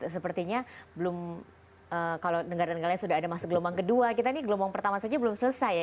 sepertinya belum kalau negara negara sudah ada masuk gelombang kedua kita ini gelombang pertama saja belum selesai ya